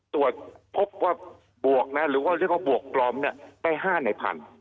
ตรวจบวกปลอมได้๕ใน๑๐๐๐